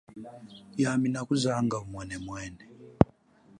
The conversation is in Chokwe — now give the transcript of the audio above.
Yami nakuzanga umwenemwene.